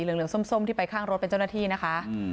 เหลืองเหลืองส้มส้มที่ไปข้างรถเป็นเจ้าหน้าที่นะคะอืม